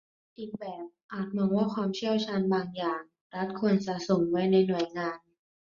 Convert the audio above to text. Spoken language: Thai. อีกแบบอาจมองว่าความเชี่ยวชาญบางอย่างรัฐควรสะสมไว้ในหน่วยงาน